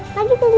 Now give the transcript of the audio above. tuh udah disiapin